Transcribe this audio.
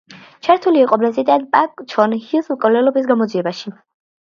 ჩართული იყო პრეზიდენტ პაკ ჩონ ჰის მკვლელობის გამოძიებაში.